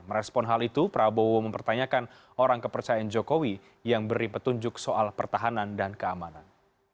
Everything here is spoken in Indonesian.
merespon hal itu prabowo mempertanyakan orang kepercayaan jokowi yang beri petunjuk soal pertahanan dan keamanan